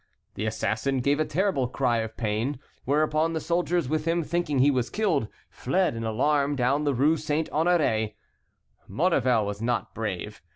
The assassin gave a terrible cry of pain; whereupon the soldiers with him, thinking he was killed, fled in alarm down the Rue Saint Honoré. Maurevel was not brave.